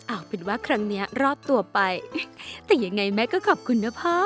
เอาเป็นว่าครั้งนี้รอบตัวไปแต่ยังไงแม่ก็ขอบคุณนะพ่อ